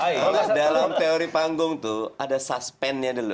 kalau nggak dalam teori panggung tuh ada suspannya dulu